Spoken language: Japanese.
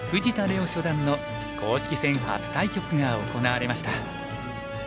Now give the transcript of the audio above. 央初段の公式戦初対局が行われました。